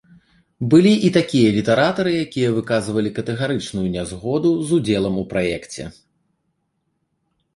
Былі і такія літаратары, якія выказалі катэгарычную нязгоду з удзелам у праекце.